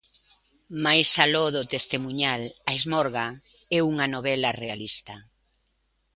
Máis aló do testemuñal, "A Esmorga" é unha novela realista.